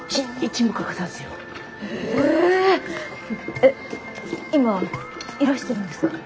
えっ今いらしてるんですか？